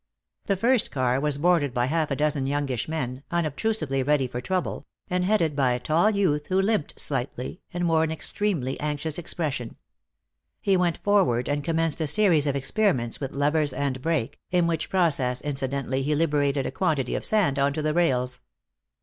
The first car was boarded by a half dozen youngish men, unobtrusively ready for trouble, and headed by a tall youth who limped slightly and wore an extremely anxious expression. He went forward and commenced a series of experiments with levers and brake, in which process incidentally he liberated a quantity of sand onto the rails.